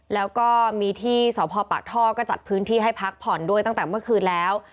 แล้วก็มีที่สพปากท่อก็จัดพื้นที่ให้พักผ่อนด้วยตั้งแต่เมื่อคืนแล้ว